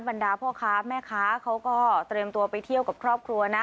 บรรดาพ่อค้าแม่ค้าเขาก็เตรียมตัวไปเที่ยวกับครอบครัวนะ